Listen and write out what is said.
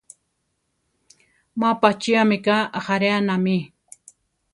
Má pachía mika ajáreanami.